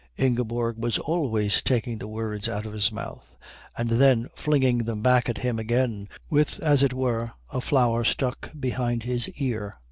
Ingeborg was always taking the words out of his mouth and then flinging them back at him again with, as it were, a flower stuck behind their ear.